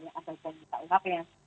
yang ada di bnuk uhp yang